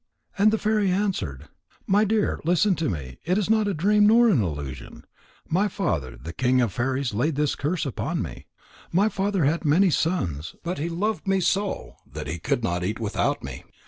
And the fairy answered: "My dear, listen to me. It is not a dream, nor an illusion. My father, the king of the fairies, laid this curse upon me. My father had many sons, but he loved me so that he could not eat without me.